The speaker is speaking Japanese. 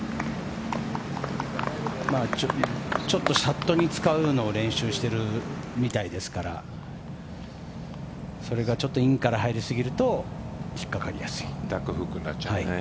ちょっとシャフトに使うのを練習しているみたいですからそれがインから入りすぎると引っかかりやすい。